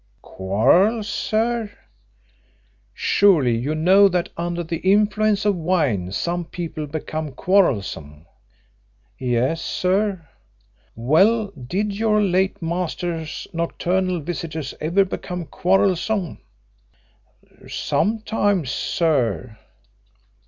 "Quarrels, sir?" "Surely you know that under the influence of wine some people become quarrelsome?" "Yes, sir." "Well, did your late master's nocturnal visitors ever become quarrelsome?" "Sometimes, sir."